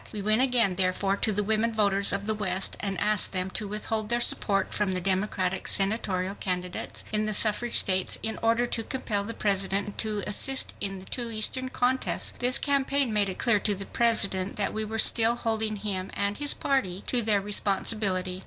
We went again, therefore, to the women voters of the west and asked them to withhold their support from the Democratic Senatorial candidates in the suffrage states in order to compel the President to assist in the two Eastern contests. This campaign made it clear to the President that we were still holding him and his party to their responsibility.